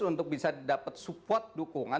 untuk bisa dapat support dukungan